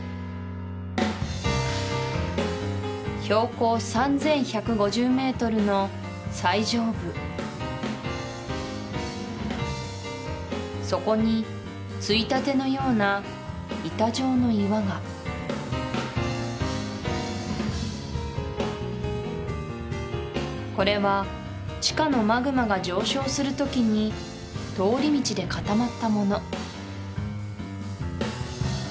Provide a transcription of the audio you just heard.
標高３１５０ｍの最上部そこについたてのような板状の岩がこれは地下のマグマが上昇する時に通り道で固まったもの